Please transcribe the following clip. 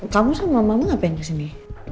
kamu sama mamamu ngapain disini